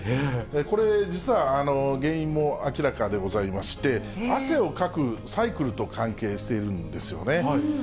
これ、実は原因も明らかでございまして、汗をかくサイクルと関係しているんですよね。